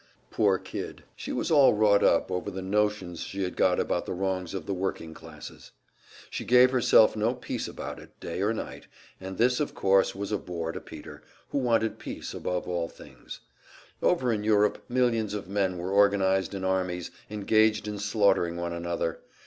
Poor kid, she was all wrought up over the notions she had got about the wrongs of the working classes. She gave herself no peace about it, day or night, and this, of course, was a bore to Peter, who wanted peace above all things. Over in Europe millions of men were organized in armies, engaged in slaughtering one another.